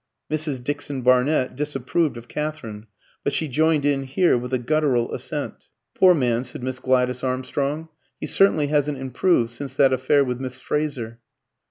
Mrs. Dixon Barnett disapproved of Katherine, but she joined in here with a guttural assent. "Poor man," said Miss Gladys Armstrong, "he certainly hasn't improved since that affair with Miss Fraser."